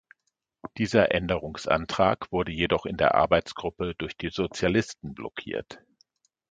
Dieser Änderungsantrag wurde jedoch in der Arbeitsgruppe durch die Sozialisten blockiert.